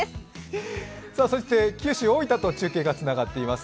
そして九州・大分と中継がつながっています。